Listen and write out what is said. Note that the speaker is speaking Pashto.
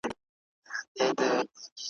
ووایه: ستا ترڅنګ ښه احساس لرم.